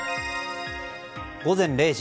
午前０時。